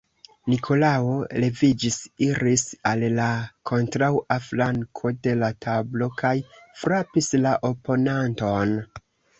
Nikolao leviĝis, iris al la kontraŭa flanko de la tablo kaj frapis la oponanton.